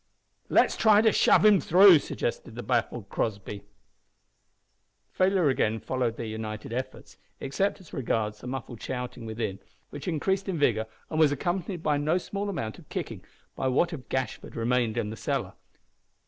"Let's try to shove him through," suggested the baffled Crossby. Failure again followed their united efforts except as regards the muffled shouting within, which increased in vigour and was accompanied by no small amount of kicking by what of Gashford remained in the cellar.